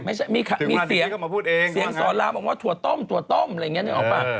ไม่ใช่มีเสียงเสียงสอนรามบอกว่าถั่วต้มถั่วต้มอะไรอย่างนี้นึกออกป่ะ